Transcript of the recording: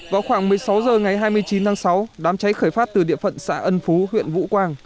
vào khoảng một mươi sáu h ngày hai mươi chín tháng sáu đám cháy khởi phát từ địa phận xã ân phú huyện vũ quang